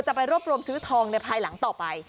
จะไปรวบรวมซื้อทองในภายหลังต่อไป